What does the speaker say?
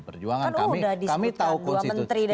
perjuangan kan udah disekutkan dua menteri dari nasdem